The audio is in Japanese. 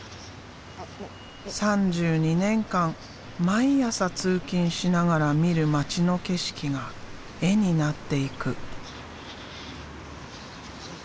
３２年間毎朝通勤しながら見る街の景色が絵になっていく。